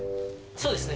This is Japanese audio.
そうですね。